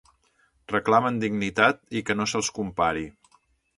Reclamen dignitat i que no se'ls compari.